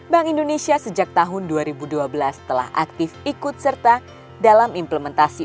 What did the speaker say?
bank indonesia sejak tahun dua ribu dua belas telah aktif ikut serta dalam implementasi